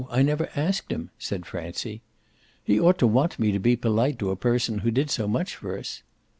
I never asked him!" said Francie. "He ought to want me to be polite to a person who did so much for us."